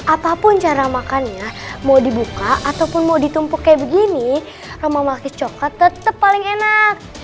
apapun cara makannya mau dibuka ataupun mau ditumpuk kayak begini rumah makis coklat tetap paling enak